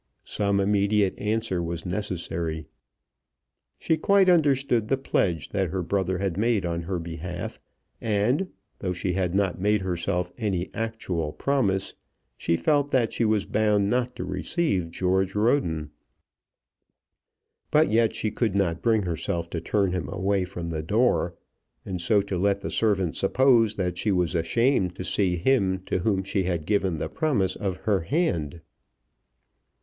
Some immediate answer was necessary. She quite understood the pledge that her brother had made on her behalf; and, though she had not herself made any actual promise, she felt that she was bound not to receive George Roden. But yet she could not bring herself to turn him away from the door, and so to let the servant suppose that she was ashamed to see him to whom she had given the promise of her hand.